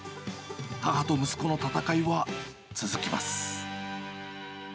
母と息子の戦いは続きます。